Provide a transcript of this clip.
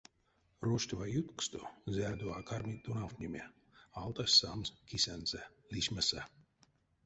Роштова ютксто, зярдо а кармить тонавтнеме, алтась самс кисэнзэ лишмесэ.